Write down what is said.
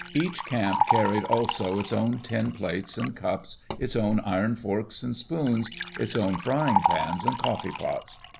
Each camp carried also its own tin plates and cups, its own iron forks and spoons, its own frying pans and coffee pots.